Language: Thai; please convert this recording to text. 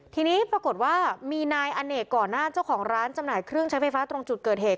ทีนี้ปรากฏว่ามีนายอเนกก่อนหน้าเจ้าของร้านจำหน่ายเครื่องใช้ไฟฟ้าตรงจุดเกิดเหตุ